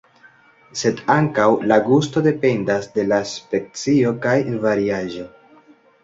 Sed ankaŭ la gusto dependas de la specio kaj variaĵo.